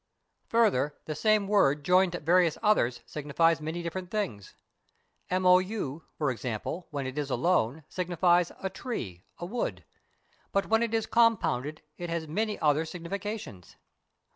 Further, the same word joined to various others signi fies many different things. Mon, for instance, when it is alone, signifies a tree, a wood; but when it is com 207 CHINA pounded, it has many other significations.